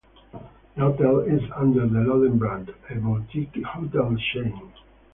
The hotel is under the Loden brand, a boutique hotel chain.